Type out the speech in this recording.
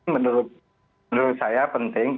menurut saya penting